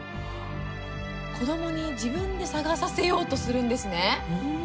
子どもに自分で探させようとするんですね。